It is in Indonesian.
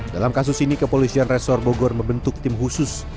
dalam kasus ini kepolisian resor bogor membentuk tim khusus